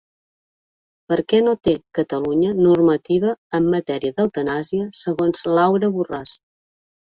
Per què no té Catalunya normativa en matèria d'eutanàsia segons Laura Borràs?